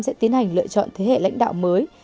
sẽ tiến hành lựa chọn thế hệ lãnh đạo mới